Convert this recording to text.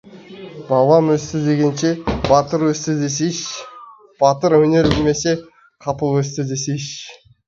Балам өсті дегенше, батыр өсті десейші, батыр өнер білмесе, қапыл өсті десейші.